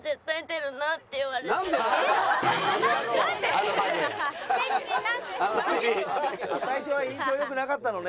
あっ最初は印象良くなかったのね。